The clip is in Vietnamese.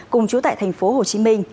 cùng trú tại thành phố hồ chí minh